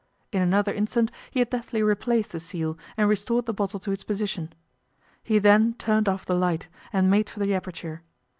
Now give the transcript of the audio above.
In another instant he had deftly replaced the seal and restored the bottle to its position. He then turned off the light, and made for the aperture.